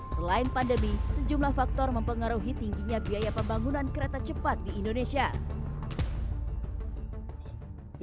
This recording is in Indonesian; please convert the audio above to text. selain pandemi sejumlah faktor mempengaruhi tingginya biaya pembangunan kereta cepat di indonesia